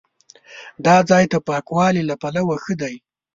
دا ځای د پاکوالي له پلوه ښه دی.